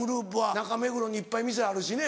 中目黒にいっぱい店あるしね。